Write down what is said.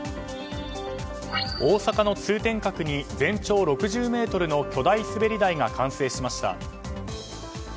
大阪の通天閣に全長６０ｍの巨大滑り台が完成しました。